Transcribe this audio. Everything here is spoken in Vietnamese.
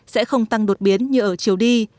sẽ không tăng đột biến như ở chiều đi